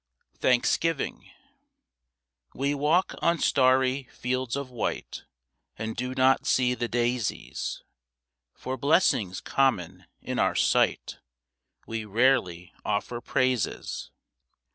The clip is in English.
THANKSGIVING We walk on starry fields of white And do not see the daisies, For blessings common in our sight We rarely offer praises.